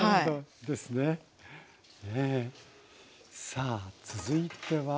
さあ続いては。